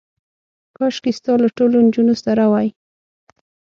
کاشکې ستا له ټولو نجونو سره وای.